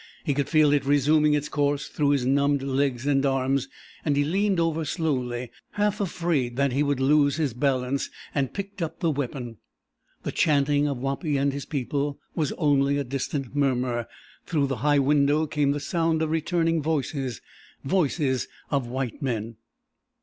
He could feel it resuming its course through his numbed legs and arms, and he leaned over slowly, half afraid that he would lose his balance, and picked up the weapon. The chanting of Wapi and his people was only a distant murmur; through the high window came the sound of returning voices voices of white men.